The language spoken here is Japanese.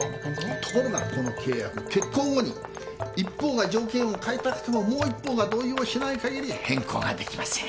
ところがこの契約結婚後に一方が条件を変えたくてももう一方が同意をしないかぎり変更ができません。